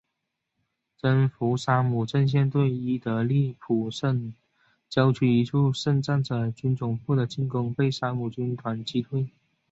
征服沙姆阵线对伊德利卜省郊区一处圣战者军总部的进攻被沙姆军团击退。